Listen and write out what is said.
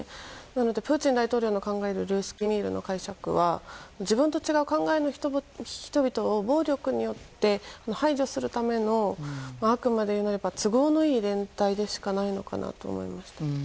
なのでプーチン大統領の考えるルースキー・ミールの考え方は自分と違う考えの人々を暴力によって排除するためのあくまでいうなれば都合のいい連帯でしかないのかなと思いました。